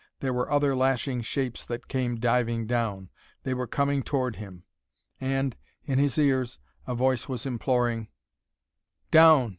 There were other lashing shapes that came diving down. They were coming toward him. And, in his ears, a voice was imploring: "Down!